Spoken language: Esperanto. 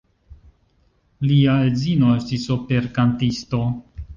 Lia edzino estis operkantisto.